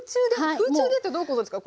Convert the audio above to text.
空中でってどういうことですか？